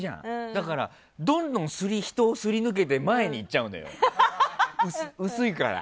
だから、どんどん人をすり抜けて前に行っちゃうのよ、薄いから。